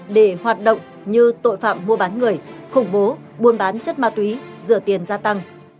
để hoạt động như tội phạm mua bán người khủng bố buôn bán chất ma túy rửa tiền gia tăng